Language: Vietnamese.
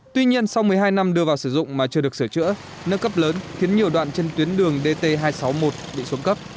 tuy nhiên sau một mươi hai năm đưa vào sử dụng mà chưa được sửa chữa nâng cấp lớn khiến nhiều đoạn trên tuyến đường dt hai trăm sáu mươi một bị xuống cấp